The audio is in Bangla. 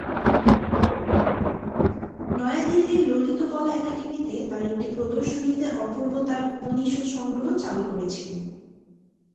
নয়াদিল্লির ললিত কলা একাডেমিতে তাঁর একটি প্রদর্শনীতে অপূর্ব তার উপনিষদ সংগ্রহ চালু করেছিলেন।